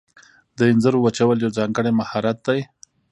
د انځرو وچول یو ځانګړی مهارت دی.